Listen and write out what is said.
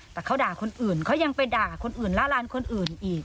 แต่เขาด่าคนอื่นเขายังไปด่าคนอื่นล่าร้านคนอื่นอีก